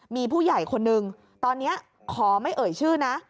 มีผู้ใหญ่คนนึงตอนนี้ขอไม่เอ่ยชื่อนะ